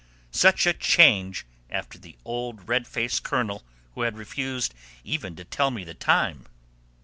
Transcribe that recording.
Such a change, after the old red faced Colonel who had refused even to tell me the time!